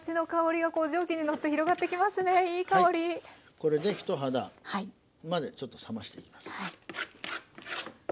これで人肌までちょっと冷ましていきます。